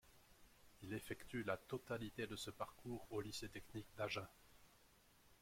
Il effectue la totalité de ce parcours au Lycée technique d’Agen.